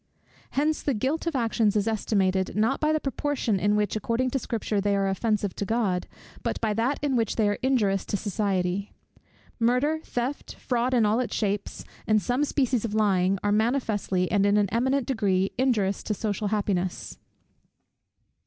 Hence the guilt of actions is estimated, not by the proportion in which, according to Scripture, they are offensive to God, but by that in which they are injurious to society. Murder, theft, fraud in all its shapes, and some species of lying, are manifestly, and in an eminent degree, injurious to social happiness.